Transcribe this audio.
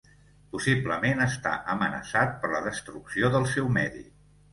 Possiblement està amenaçat per la destrucció del seu medi.